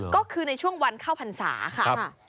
ก็คือในช่วงวันข้าวภัณฑ์ศาสตร์ค่ะ